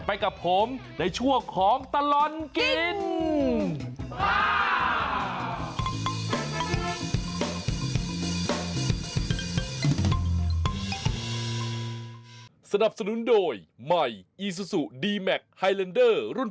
ไปกับผมในช่วงของตลอดกิน